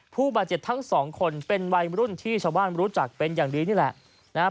ผู้บาดเจ็บทั้งสองคนเป็นวัยรุ่นที่ชาวบ้านรู้จักเป็นอย่างดีนี่แหละนะครับ